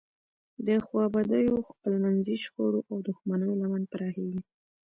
د خوابدیو، خپلمنځي شخړو او دښمنیو لمن پراخیږي.